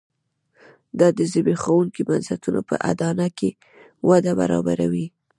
دا د زبېښونکو بنسټونو په اډانه کې وده برابروي.